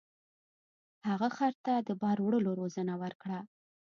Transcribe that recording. هغه خر ته د بار وړلو روزنه ورکړه.